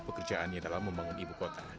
pekerjaannya dalam membangun ibu kota